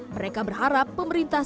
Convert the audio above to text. mereka berharap pemerintah